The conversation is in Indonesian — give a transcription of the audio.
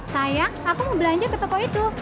sayang aku mau belanja ke toko itu